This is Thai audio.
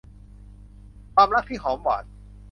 ความรักที่หอมหวาน